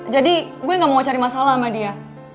jadi gue gak mau cari masalah sama dia